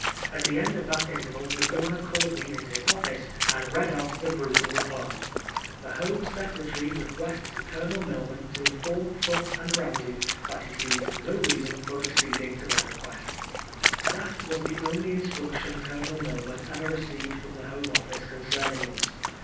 At the end of that interval the Governor called me into his office and read out the brutal reply :'^ The Home Secretary requests Colonel Milman to inform Foote and Ramsey that he sees no reason for acceding to their request." HOLLOWAT eAOL. 121 That was the only instruction Colonel Milman eTer received from the Home Office concerning us.